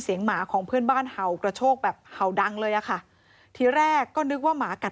หมาของเพื่อนบ้านเห่ากระโชกแบบเห่าดังเลยอ่ะค่ะทีแรกก็นึกว่าหมากัด